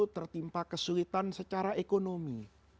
tertimpa kesulitan secara ekonomi